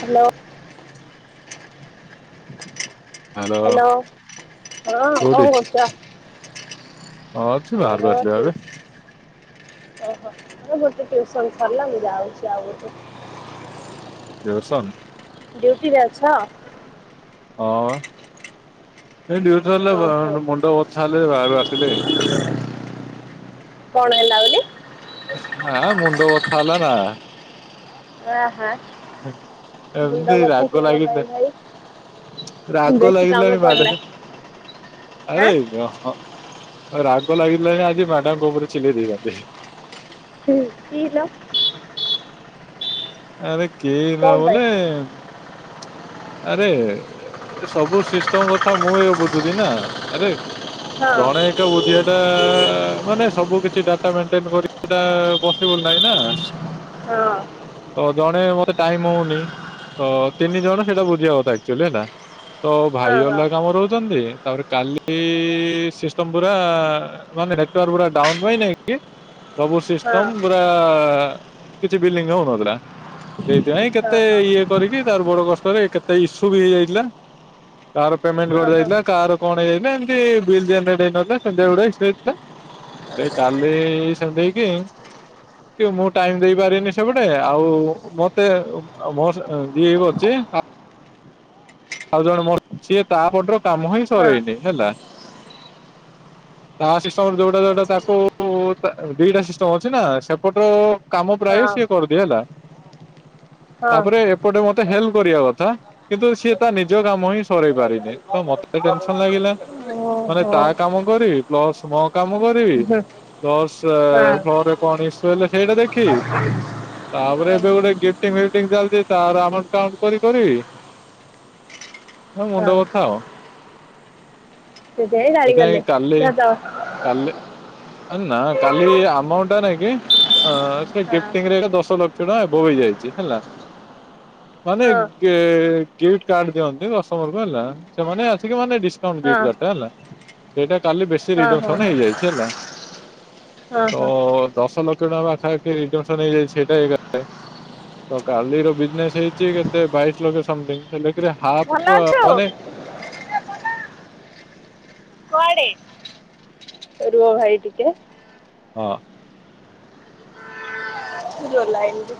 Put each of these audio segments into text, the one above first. Hello. Hello hello ହଁ କୋଉଠି କଁ କରୁଛ? ହଁ ଅଛି ବାହାରକୁ ମୋର ଆସିଲି ବା କେ ଏବେ ଓହୋ ମୋ ଗୋଟେ ଟିଉସନ ସରିଲା ମୁ ଯାଉଛି ଆଉ ଗୋଟେ ଟିଉସନ୍‌। ଡ୍ୟୁଟିରେ ଅଛ। ହଁ ବା ଡ୍ୟୁଟିରେ ଲେ ଓହୋ ମୁଣ୍ଡ ବଥା ହେଲେ ବାହାରୁ ଆସିଲି କଣ ହେଲା ବୋଲି? ଏ ମୁଣ୍ଡ ବଥା ହେଲା ନା। ଆ ହା। ହଁ ଏମତି ରାଗ ପାଇଁ ଲାଗିଦେ ଭାଇ ରାଗ ବେଶୀ କାମ ଲାଗିଲାଣି ପଡିଲା। ବାଢାରେ ଆଁ ଆରେ ହ ରାଗ ଲାଗିଲାଣି ଆଜି ମାଡାମଙ୍କ ଉପରେ ଚିଲେଇ ଦେବି ରାତିରେ। ହୁଁ କିି ହେଲା? ଆରେ କି ଲା କଣ ପାଇଁ? ବୋଲେ ଆରେ ଏ ସବୁ ସିଷ୍ଟମ କଥା ମୁଁ ଏ ବୁଝୁଛିି ନା ଆରେ। ହଁ ଜଣେ ଏକା ବୁଝିଆଟା ମାନେ ସବୁ କିଛି ଡା ଟା ମେଣ୍ଟେନ୍ କରିବାଟା ପଶିବୁଲ୍‌ ନାହିଁ ନା। ହଁ। ତ ଜଣେ ମତେ ଟାଇମ ହଉନି ତ ତିନି ଜଣ ସେଇଟା ବୁଝିବା କଥା ଆକ୍ଚୁଆଲି ହେଲା। ତ ହଁ ଭାଇ ଅଲଗା କାମରେ ରହୁଛନ୍ତି ତାପରେ କାଲି ସିଷ୍ଟମ ପୁରା ମାନେ ନେଟୱର୍କ ପୁରା ଡାଉନ ପାଇଁ ନାଇଁ କି ସବୁ ହଁ ହଁ ସିଷ୍ଟମ ପୁରା କିଛି ବିଲିଙ୍ଗ ଆଉ ହଉନଥିଲା। ସେଇଥିପାଇଁ ହଁ କେତେ ହଁ ଇଏ କରିକି ତାର ବଡ କଷ୍ଟରେ କେତେ ଇସୁ ବି ହେଇଯାଇଥିଲା। କାର ପେମେଣ୍ଟ ହଁ ହଁ ଗଡିଯାଇଥିଲା କାର କଣ ହେଇଯାଇଥିଲା ଏମତି ବିଲ୍ ପେମେଣ୍ଟ ହେଇନଥିଲା ସେମ୍ ତିଆ ଗୁଡାଏ ସ୍ପ୍ରେ ଲା। ଲେ କାଲି ସେମ୍ ତି ହେଇକି କି ମୁଁ ଟାଇମ ଦେଇ ପାରିବିନି ସେପଟେ ଆଉ ମତେ ଅ ମୋ ସ ଅ ଯିଏ ବି ଅଛି ଆ ଆଉ ଜଣେ ମୋ ସିଏ ତାପଟର କାମ ହିଁ ହଁ ସରେଇନି ହେଲା। ତା ସିଷ୍ଟମରେ ଯୋଉଟା ଯୋଉଟା ଆଚ୍ଛା ତାକୁ ତା ଦିଟା ସିଷ୍ଟମ ଅଛି ନା ସେପଟ କାମ ପ୍ରାୟ ହଁ ସିଏ କରିଦିଏ ହେଲା ହଁ ତାପରେ ପଟେ ମତେ ହେଲ୍ପ କରିଆ କଥା କିନ୍ତୁ ସିଏ ତା ନିଜ କାମ ହିଁ ସରେଇ ପାରିନି। ତ ମତେ ଟେନସନ ଲାଗିଲା ଓହୋ ମାନେ ତା ହୁଁ, କାମ କରିବି ପ୍ଲସ ମୋ କାମ କରିବି ହଁ ପ୍ଲସ୍ ଆ ହଁ ପରେ ପଣିସ୍ ହେଲେ ସେଇଟା ଦେଖିଇ। ତାପରେ ଏବେ ଗୋଟେ ଗିଫ୍ଟିଙ୍ଗ ଫିଫଟିଂ ଚାଲିଛି ତାର ଆମର କାଉଣ୍ଟ କରି କରି ମୋ ମୁଣ୍ଡ ହଁ ବଥା ଆଉ ସେଥିପାଇଁ ଗାଳି କଲେ ସେଥିପାଇଁ କାଲି ନା ତ କାଲି ଆ ନା କାଲି ଆମାଉଣ୍ଟଟା ନାହିଁ କି? ଅ ସେ ହଁ ଗିଫ୍ଟିଂ ରେ ଏକା ଦଶ ଲକ୍ଷ ଟଙ୍କା ଅବୋଭ ହେଇଯାଇଛି ହେଲା। ମାନେ ହଁ ଗେ ଗେଟ୍ କାଡ୍‌ ଦିଅନ୍ତି କଷ୍ଟମର କୁ ହେଲା ସେମାନେ ଆସିକି ମାନେ ଡିସକାଉଣ୍ଟ ଗିଫ୍ଟ ହଁ ହଁ କାର୍ଡ଼ ଟା ହେଲା। ସେଇଟା କାଲି ବେଶୀ ହଁ ରିଡକ୍ସନ ହଁ ହେଇଯାଇଛି ହେଲା ହଁ ତ ହଁ। ଦଶ ଲଖ୍ ପାଖାପାଖି ରିଡକ୍ସନ ହେଇଯାଇଛି ସେଟା ଏଇ ଗା। ତ କାଲିର ବିଜନେସ ହେଇଚି କେତେ ବାଇଶ ଲକ୍ଷ ସମଥିଙ୍ଗ ହେଲେ କିରେ ଭଲ ହାପ ଅଛୁ ମାନେ କୁଆଡେ ରୁହ ଭାଇ ଟିକେ। ହଁ। ଏ ଯୋଉ ଲାଇନିରେ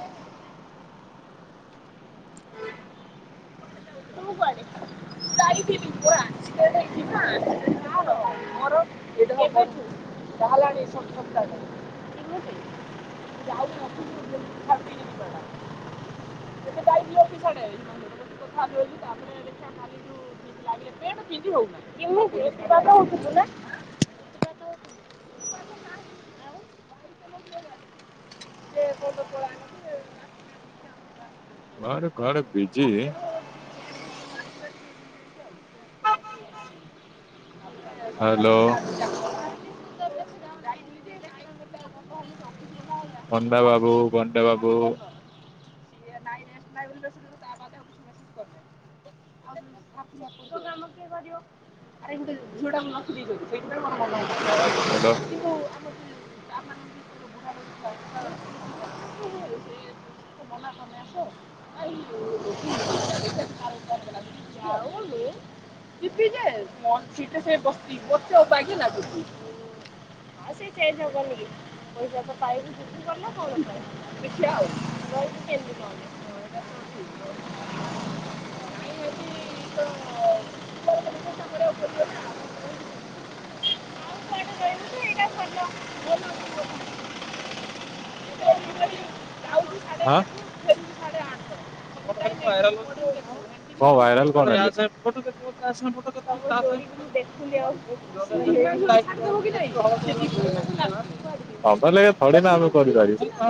[unintelligible] [unintelligible] [unintelligible] [inaudible] [unintelligible] [unintelligible] ଖାଲି ପେଣ୍ଟ ପିନ୍ଧି ହଉ କେମିତି ଏତେ ବାଟ ଯିବୁନା। [unintelligible] ଘରେ ଘରେ ବିଜି ହ୍ୟାଲୋ। ପଣ୍ଡା ବାବୁ ବଣ୍ଡା ବାବୁ [unintelligible] [unintelligible] ଆଉ କିଏ କରିବ। [unintelligible] ହ୍ୟାଲୋ। କିନ୍ତୁ ଆମ ଯାଉନି ଆଉ ଯିବିଯେ ମ [unintelligible] ସିଏ ଚେଞ୍ ହବନି। [unintelligible] [inaudible] [unintelligible] [inaudible] ତମରତ ଖାଲି ଭାଇରାଲ ହଉଚି ଆଉ ହଁ [unintelligible] ତମ [unintelligible] ଯୋଡିକୁ ମୁଁ ଦେଖୁନି ଆଉ। [unintelligible] ତୁମକୁ ଏଇନା ବାଧା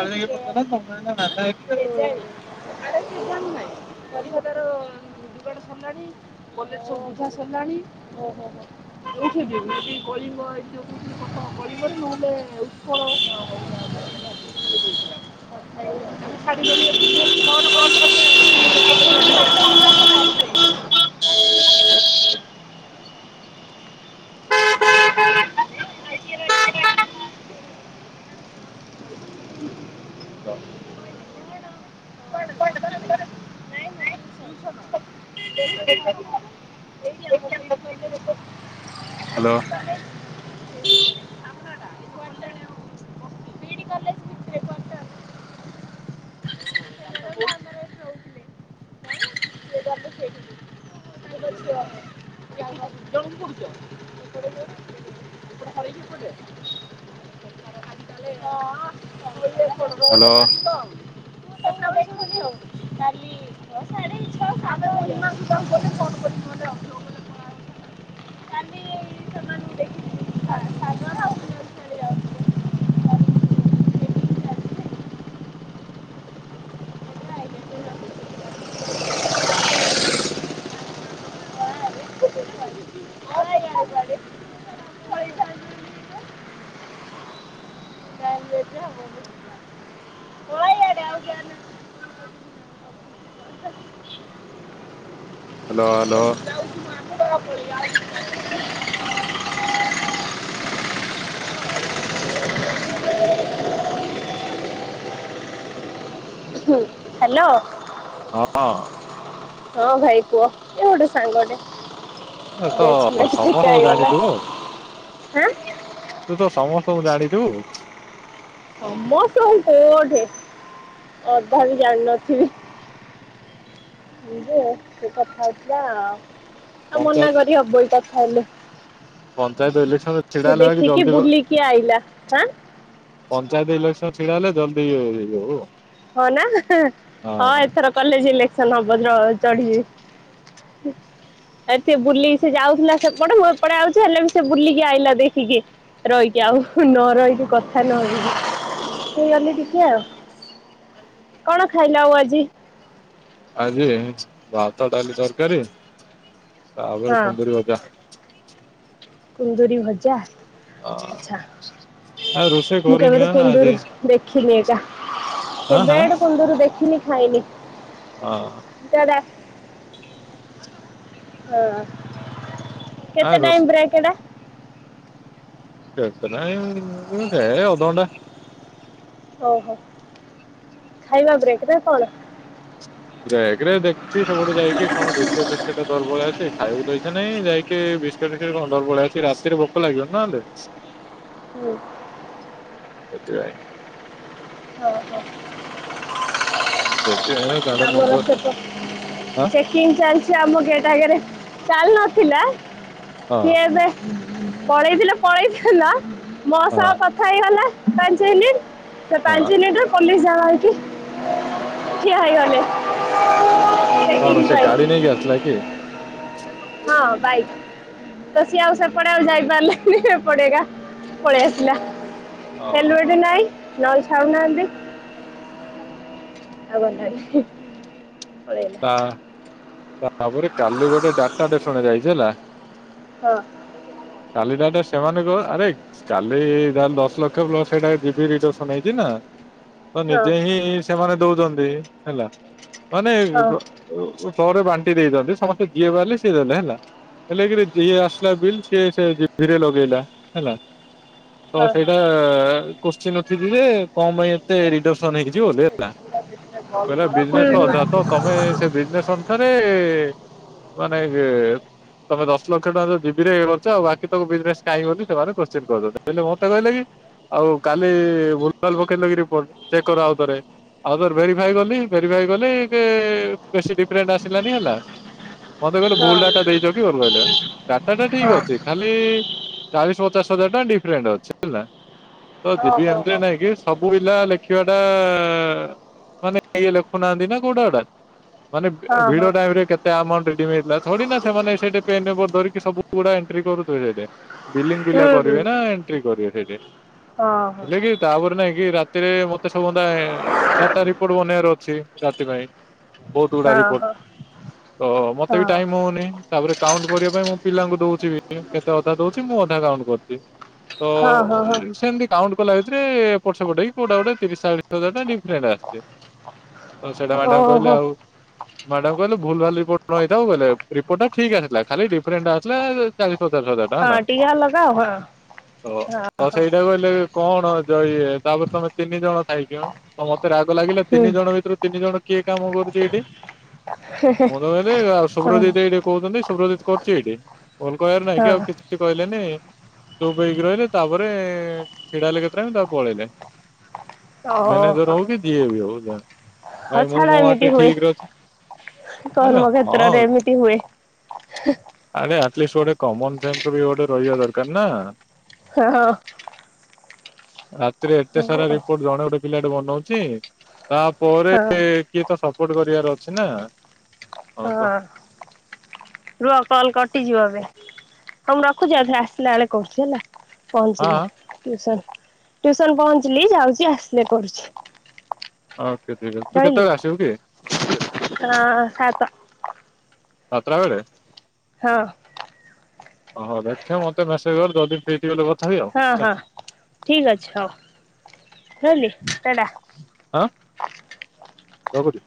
କେଜାଣି ଆଉ। [unintelligible] [unintelligible] [unintelligible] [unintelligible] [unintelligible] [unintelligible] [inaudible] [unintelligible] [unintelligible] Hello. Hello. [unintelligible] Hello hello. [unintelligible] Hello. ହଁ ଅଁ। ହଁ ଭାଇ କୁହ ଇଏ ଗୋଟେ ସାଙ୍ଗଟେ। ତ ସେଇ ଝିଅଟି ସମସ୍ତଙ୍କୁ ଦେଖାହେଇ ଗଲା ଜାଣିଥିବୁ ଆଉ। ଏଁ। ତୁ ତ ସମସ୍ତଙ୍କୁ ଜାଣିଚୁ। ସମସ୍ତଙ୍କୁ କୋଉଠି ଅଧା ବି ଜାଣିନଥିବି? ହଁ ଯେ ସେ କଥା ହେଇଥିଲା ଆଉ ମନା ପଞ୍ଚାୟତ କରିହବ କଥା ହେଲେ। ପଞ୍ଚାୟତ ଇଲେକ୍ସନ ସେ ଦେଖିକି ବୁଲିକି ଆଇଲାଁ ଆଁ ପଞ୍ଚାୟତ ଇଲେକ୍ସନ ଛିଡା ହେଲେ ଜଲଦି ଇଏ ହେଇଯିବ। ହଁ ନା ହଁ ଏଥର କଲେଜ୍ ଇଲେକ୍ସନ୍ ହବ ର ଚଢିବି। ହୁଁ। ଏ ସିଏ ବୁଲି ସେ ଯାଉଥିଲା ସେପଟେ ମୁଁ ଏପଟେ ଆଉଚି ହେଲେ ବି ସେ ବୁଲିକି ଆଇଲା ଦେଖିକି। ରହିକି ଆଉ ନ ରହିକି କଥା ନେହେଇ ହେଇଗଲି ଟିକେ ଆଉ। କଣ ଖାଇଲ ଆଉ ଆଜି? ଆଜି ଭାତ, ଡାଲି, ତରକାରୀ ହଁ ତାପରେ କୁନ୍ଦୁରୁ ଭଜା। କୁନ୍ଦିରି ଭଜା। ହଁ ଆଛା ଆଉ ରୋଷେଇ ମୁଁ କରିନି କେବେଠୁ ବା ଆଜି କୁନ୍ଦୁରି ଦେଖିନି ଏକା। ଆଁ ଆଁ। କେବେଠୁ କୁନ୍ଦୁରି ଦେଖିନି ଖାଇନି। ହଁ। [unintelligible] ହଁ ଆ କେତେ ରୋଷ ଟାଇମ୍ ବ୍ରେକ୍ ଏଡା? ବେଶି ନାହିଁ ହେ ଅଧଘଣ୍ଟା। ଓହୋ ଖାଇବା ବ୍ରେକ୍ ନା କଣ? ବ୍ରେକ୍ ରେ ଦେଖିକି ସେପଠୁ ଯାଇକି କଣ ବିସି ଫିସ୍କେଟ [unintelligible] ଖାଇବାକୁ ତ ଇଚ୍ଛା ନାଇଁ ଯାଇକି [unintelligible] ରାତିରେ ଭୋକ ଲାଗିବ ନହେଲେ। ହୁଁ। [unintelligible] [inaudible] ସେଥିପାଇଁ କାନ ମୁଣ୍ଡ ଆମର ସେପଟ ହଁ ଚେକିଂ ଚାଲିଚି ଆମ ଗେଟ୍ ଆଗେରେ, ଚାଲି ନଥିଲା। ହଁ। ସିଏ ଏବେ ପଳେଇଥିଲେ ପଳେଇଥାନ୍ତା ମୋ ହଁ ସହ କଥା ହେଇଗଲା ପାଞ୍ଚ ମିନିଟ୍ ସେ ହଁ ପାଞ୍ଚ ମିନିଟରେ କଲେଜ ଯାଗା ଦେଖୀ ଠିଆ ହେଇଗଲେ। କଣ ଚେକିଂ ସେ ପାଇଁ ଗାଡି ନେଇକି ଆସିଥିଲା କି? ହଁ ବାଇକ୍। ତ ସିଏ ଆଉ ସେପଟେ ଯାଇପରିଲାନି ଏପଟେ ଏକା ପାଲେଇଆସିଲା। ଓହୋ ହେଲମେଟ ନାଇଁ ନହେଲେ ଛାଉନାହାନ୍ତି। ଆଉ କଣ ଛାଡ଼ିବେ। [unintelligible] ତା ତାପରେ କାଲି ଗୋଟେ ଡାଟାଟେ ଶୁଣ ଯାଇଛି ହେଲା। ହଁ। କାଲି ଡାଟା ସେମାନଙ୍କୁ ଆରେ କାଲି ଯାହା ହେଲେ ଦଶ ଲକ୍ଷ ପ୍ଲସ ସେଇଟା ଡିବି ରିଡକ୍ସନ ହେଇଛି ନା। ତ ହଁ ନିଜେ ହିଁ ସେମାନେ ଦଉଚନ୍ତି ହେଲା ମାନେ ହଁ ପରେ ବାଣ୍ଟି ଦେଇଚନ୍ତି ସମସ୍ତେ ଯିଏ ବାହାରିଲେ ସିଏ ଦେଲେ ହେଲା। ହେଲେ କିରେ ଯିଏ ଆସିଲା ବିଲ୍ ସିଏ ସେ ଭିଡିଓ ଲଗେଇଲା ହେଲା। ତ ସେଇଟା କୋତ୍ସିନ ଉଠିଚି ଯେ କଣ ପାଇଁ ଏତେ ରିଡର୍ସନ ହେଇଚି ବୋଲି ହେଲା କହିଲା ହୁଁ, ହୁଁ, ହଁ ହଁ ବିଜନେସ୍ ଅଧା ତ ତମେ ସେ ବିଜନେସ୍ ଅନୁସାରେ ମାନେ ଇଏ ତମେ ଦଶ ଲକ୍ଷ ଟଙ୍କା ତ ଯିଦିରେ ବଞ୍ଚା ବାକିତକ ବିଜନେସ ନାଇଁ ବୋଲି ଦେବାର କୋସଚୀନ୍ କରିଦଉଚ ହେଲେ ମତେ କହିଲ କି? ଆଉ କାଲି ଭୁଲ୍ ଭାଲ୍ ପକେଇଥିଲ କି ରିପୋର୍ଟ, ଚେକ୍ କର ଆଉଥରେ। ଆଉଥରେ ଭେରିଫାଏ କଲି ଭେରିଫାଏ କଲି ବେଶୀ ଡିଫରେଣ୍ଟ ଆସିଲାନି ହେଲା। ମତେ କହିଲେ ଭୁଲ ଡାଟା ଦେଇଚ କି, କହିଲେ ଡାଟାଟା ଠିକ ଅଛି। ଖାଲି ଚାଳିଶ ପଚାଶ ହଜାର ଟଙ୍କା ଡିଫରେଣ୍ଟ ଅଛି ହେଲା। ତ ହଁ ଯିବି ହଁ ହଁ ଏମିତିଆ ନାଇଁ କି ସବୁ ପିଲା ଲେଖିବାଟା ମାନେ ଇଏ ଲେଖୁନାହାନ୍ତି ନା କୋଉଟା ଗୋଟା ମାନେ ହଁ ହଁ ଭିଡ ଟାଇମ ରେ କେତେ ଆ ଡେଡିମେଡ ହେଇଥିଲା ଥୋଡି ସେମାନେ ସେଇ ପେନ୍ ପେପେର ଧିରିକି ସବୁ ଗୁଡା ଏଣ୍ଟ୍ରି କରୁଥିବେ। ବିଲିଂ ପିଲା ହୁଁ କରିବେ ନା ଏଣ୍ଟ୍ରି କରିବେ ସେଠୀ। ହୁଁ ହେଲେ କି ତାପରେ ନାଇଁ କି ରାତିରେ ମତେ ସମୁଦାୟ ଡାଟା ରିପୋର୍ଟ ବନେଇବାର ଅଛି। ସେଥିପାଇ ବହୁତ ହଁ ଗୁଡା ହଁ ରିପୋର୍ଟ ହଁ ତ ହଁ ମତେ ବି ଟାଇମ ହଉନି। ତାପରେ କାଉଣ୍ଟ କରିବା ପାଇଁ ମୁଁ ପିଲାଙ୍କୁ ଦଉଛି ବି କେତେ ଅଧା ଦଉଛି ମୁଁ ଅଧା କାଉଣ୍ଟ କରିଦିଏ। ତ ହଁ ହଁ ହଁ ହଁ ରିସେଣ୍ଡି କାଉଣ୍ଟ କଲା ଭିତରେ ଏପଟ ସେପଟ ହେଇ କୋଉଟା ଗୋଟେ ତିରିଶ ଚାଳିଶି ହଜାର ଟା ଡିଫରେଣ୍ଟ ଆସିଛି। ତ ସେଇଟା ମ୍ୟାଡାମ ଓହୋ କହିଲେ ଆଉ ମ୍ୟାଡାମ କହିଲେ ଭୁଲ ଭାଲ ରିପୋର୍ଟ ନ ହେଇଥାଉ ବୋଲେ ରିପୋର୍ଟା ଠିକ ଆସିଲା ଖାଲି ଡିଫରେଣ୍ଟ ନଥିଲା ଚାଳିଶ ପଚାଶ ହଜାର ଟଙ୍କା ହଁ ହେଲା। ଟିକେ ଅଲଗା ଆଉ ହଁ ଓ ତ ସେଇଟା କହିଲେ କଣ ଜୟ ଇଏ ତାପରେ ତମେ ତିନି ଜଣ ଥାଇକି ମତେ ରାଗ ଲାଗିଲା ହଁ ହୁଁ ତିନି ଜଣ ଭିତରୁ ତିନି ଜଣ କିଏ କାମ କରୁଛି ଏଇଠି ମୁଁ ତ କହିଲି ହଁ ସୁବ୍ରଜିତ୍ ଏଇଠି କହୁଛନ୍ତି ସୁବ୍ରଜିତ୍ କରୁଚି ଏଇଠି। ଭୁଲ୍ କହିବାର ନାହିଁ କି ଆଉ ହଁ କିଛି। କିଛି କହିଲେନି ଚୁପ୍ ହେଇକି ରହିଲେ ତାପରେ ଛିଡା ହେଲେ କେତେ ଟାଇମ୍ ତାପରେ ପଳେଇଲେ। ମ୍ୟାନେଜର ହଉ କି ଯିଏ ବି ହଉ। ହଁ ଭାଇ ମୁଁ ଛାଡ ମୋ ବାଟେ ଏମିତି ହୁଏ। ଠିକ୍ ରେ ଅଛି। ଆରେ କର୍ମକ୍ଷେତ୍ରରେ ହଁ ଏମିତି ହୁଏ। ଆରେ ଆଟଲିଷ୍ଟ ଗୋଟେ କମନ ସେନ୍ସ ବି ଗୋଟେ ରହିବା ଦରକାର ନା। ହଁ ହଁ। ରାତିରେ ଏତେ ସାରା ହଁ ରିପୋର୍ଟ ଜଣେ ଗୋଟେ ପିଲାଟେ ବନଉଛି। ତା ପରେ ହଁ କିଏ ତ ସପୋର୍ଟ କରିବାର ଅଛି ନା ହଁ ରୁହ କଲ କଟିଯିବ ଏବେ ତ ମୁଁ ରଖୁଛି। ଆଉ ଥରେ ଆସିଲା ବେଳେ କହୁଛି ହେଲା। ପହଞ୍ଚିଲି ହଁ। ଟ୍ୟୁସନ। ଟ୍ୟୁସନ ପହଞ୍ଚିଲି ଯାଉଛି ଆସିଲେ କରୁଛି। ଓକେ ଠିକ୍ ଅଛି। ତୁ ରହିଲି କେତେବେଳେ ଆସିବୁ କି? ହଁ ସା ସାତଟା ବେଳେ? ହଁ। ହଁ ଦେଖେ ମତେ ମେସେଜ୍ କର ଯଦି ଫ୍ରୀ ଥିବି କ ହଁ ହଁ ଠିକ ଅଛି। ହଉ ରହିଲି ଟାଟା। ଆଁ ରଖୁଛି।